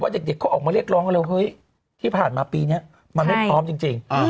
เด็กเขาออกมาเรียกร้องกันเลยเฮ้ยที่ผ่านมาปีนี้มันไม่พร้อมจริง